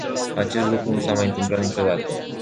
Acest lucru nu s-a mai întâmplat niciodată.